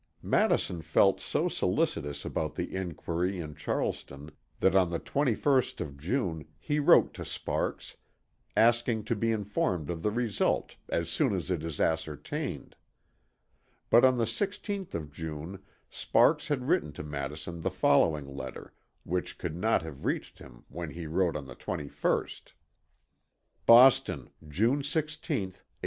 Madison felt so solicitous about the inquiry in Charleston that on the 21st of June he wrote to Sparks, asking to be informed of the result "as soon as it is ascertained." But on the 16th of June Sparks had written to Madison the following letter which could not have reached him when he wrote on the 21st. "BOSTON, June 16th, 1831.